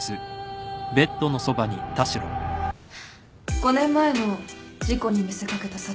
５年前の事故に見せ掛けた殺人。